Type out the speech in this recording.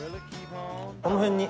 この辺に。